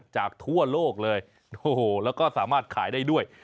จากทั่วโลกเลยแล้วก็สามารถขายได้ด้วย